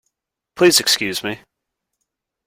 Please excuse me.